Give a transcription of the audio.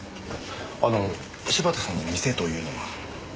あの柴田さんの店というのは？